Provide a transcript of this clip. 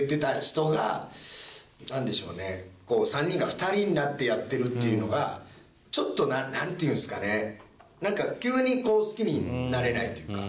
なんでしょうね３人が２人になってやってるっていうのがちょっとなんていうんですかねなんか急に好きになれないというか。